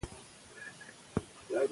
تعلیم به ټولنه روښانه کړئ.